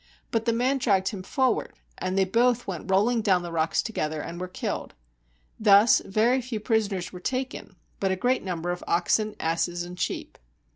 But the man dragged him forward, and they both went rollmg down the rocks together, and were killed. Thus very few prisoners were taken, but a great number of oxen, asses, and sheep.